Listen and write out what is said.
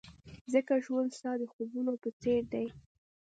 ځکه ژوند ستا د خوبونو په څېر دی.